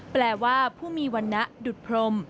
แปลว่าผู้มีวันนั้นดุดพรม